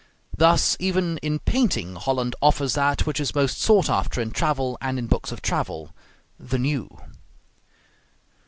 Thus even in painting Holland offers that which is most sought after in travel and in books of travel: the new.